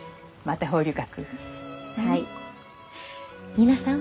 皆さん